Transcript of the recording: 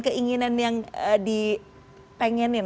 keinginan yang dipengenin